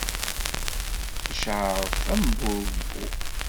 Icceɛṛef, am burebbu.